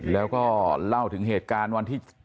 แล้วก็เล่าถึงเหตุการณ์วันที่